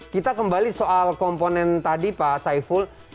kita kembali soal komponen tadi pak saiful